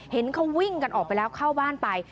เห็นเขาวิ่งกันออกไปแล้วเข้าบ้านไป